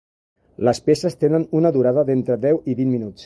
Les peces tenen una durada d'entre deu i vint minuts.